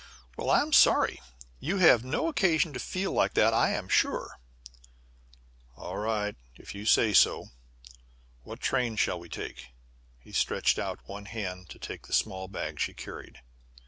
"Well, I'm sorry. You've no occasion to feel like that, I'm sure." "All right, if you say so. What train shall we take?" He stretched out one hand to take the small bag she carried.